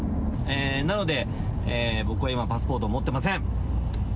なので、僕は今、パスポートを持っていません。